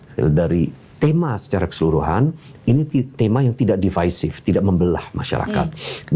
kalau dari tema secara keseluruhan ini tema yang tidak devisif tidak membelah masyarakat